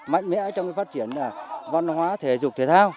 mạnh mẽ trong phát triển văn hóa thể dục thể thao